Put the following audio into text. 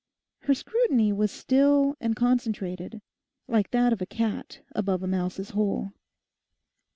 Her scrutiny was still and concentrated, like that of a cat above a mouse's hole.